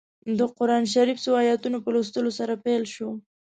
د قران شریف څو ایتونو په لوستلو سره پیل شوه.